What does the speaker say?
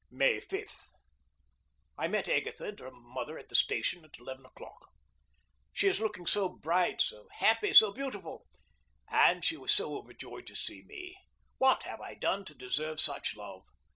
May 5. I met Agatha and her mother at the station at eleven o'clock. She is looking so bright, so happy, so beautiful. And she was so overjoyed to see me. What have I done to deserve such love?